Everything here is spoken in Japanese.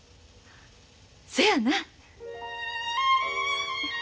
そやな。